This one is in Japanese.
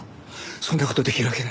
そんな事できるわけない。